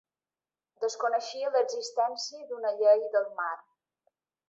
Desconeixia l'existència d'una Llei del Mar.